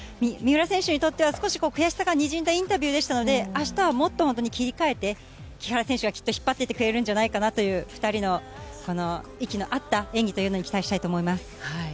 三浦選手にとっては少し悔しさがにじんだインタビューでしたので明日はもっと切り替えて木原選手が引っ張っていってくれるんじゃないかなという２人の息の合った演技というのに期待したいと思います。